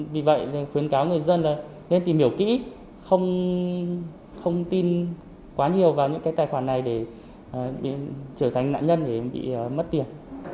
vì vậy khuyến cáo người dân là nên tìm hiểu kỹ không tin quá nhiều vào những cái tài khoản này để trở thành nạn nhân để bị mất tiền